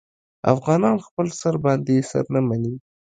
افغانان خپل سر باندې سر نه مني.